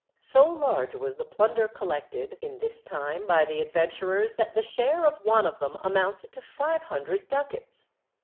So large was the plunder collected, in this time, by the adventurers, that the share of one of them amounted to five hundred ducats.